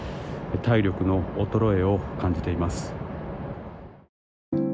体力の衰えを感じています。